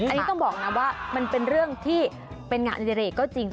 อันนี้ต้องบอกนะว่ามันเป็นเรื่องที่เป็นงานอดิเรกก็จริง